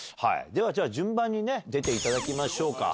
では順番に出ていただきましょうか。